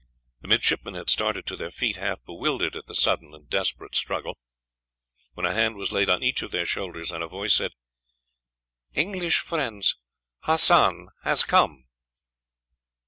The midshipmen had started to their feet, half bewildered at the sudden and desperate struggle, when a hand was laid on each of their shoulders, and a voice said, "English friends, Hassan has come."